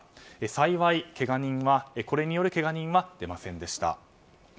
幸いこれによるけが人は出ませんでした。